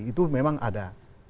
itu memang ada